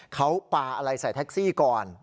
เขาปลาอะไรใส่แท็กซี่ก่อน